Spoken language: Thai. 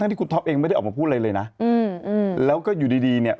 ที่คุณท็อปเองไม่ได้ออกมาพูดอะไรเลยนะอืมแล้วก็อยู่ดีดีเนี่ย